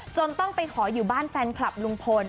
จนต้องไปขออยู่บ้านแฟนคลับลุงพล